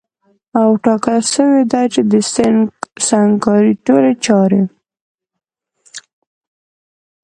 او ټاکل سوې ده چي د سنګکارۍ ټولي چاري